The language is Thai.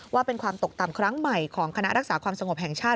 ว่าเป็นความตกต่ำครั้งใหม่ของคณะรักษาความสงบแห่งชาติ